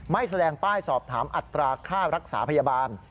ไม่แสดงป้ายสอบถามอัตราค่ารักษาพยาบาล